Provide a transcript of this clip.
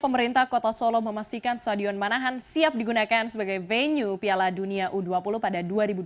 pemerintah kota solo memastikan stadion manahan siap digunakan sebagai venue piala dunia u dua puluh pada dua ribu dua puluh